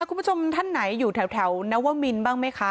คุณผู้ชมท่านไหนอยู่แถวนวมินบ้างไหมคะ